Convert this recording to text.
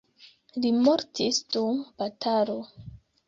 Li mortis dum batalo.